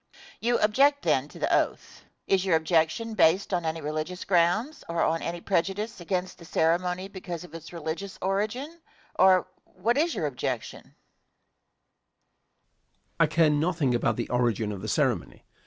Question. You object then to the oath. Is your objection based on any religious grounds, or on any prejudice against the ceremony because of its religious origin; or what is your objection? Answer. I care nothing about the origin of the ceremony.